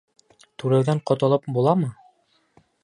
Түләүҙән ҡотолоп буламы?